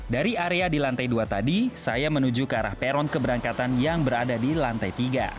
dari area di lantai dua tadi saya menuju ke arah peron keberangkatan yang berada di lantai tiga